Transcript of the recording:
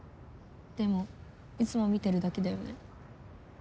でもいつも見てるだけだよね。